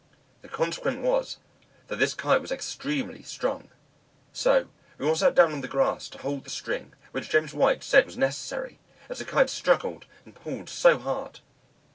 The consequence was, that this Kite was extremely strong. So we all sat down on the grass to hold the string, which James White said was necessary, as the Kite struggled and pulled so hard.